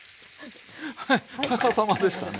はい逆さまでしたね。